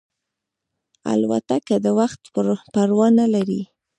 الوتکه د وخت پروا نه لري.